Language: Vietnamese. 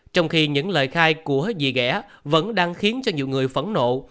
trong khi những lời khai của dị ghẻ vẫn đang khiến cho nhiều người phẫn nộ